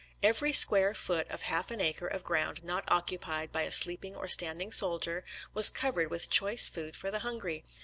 Every square foot of half an acre of ground not occupied by a sleeping or standing sol dier was covered with choice food for the hungry.